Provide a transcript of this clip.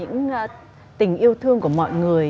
để hưởng chọn về những tình yêu thương của mọi người